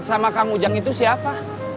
sama kang ujang itu siapa